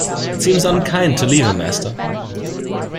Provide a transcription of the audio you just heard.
It seems unkind to leave him, Esther.